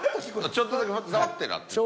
ちょっとだけザワッてなってた。